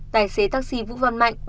tài xế taxi vũ văn nguyên